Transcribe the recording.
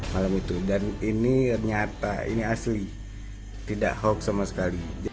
malam itu dan ini ternyata ini asli tidak hoax sama sekali